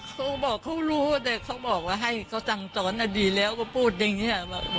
เขาบอกเขารู้แต่เขาบอกว่าให้เขาสั่งสอนอดีตแล้วก็พูดอย่างนี้